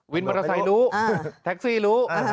มอเตอร์ไซค์รู้แท็กซี่รู้